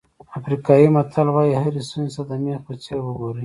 افریقایي متل وایي هرې ستونزې ته د مېخ په څېر وګورئ.